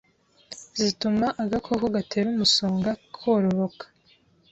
zituma agakoko gatera umusonga kororoka.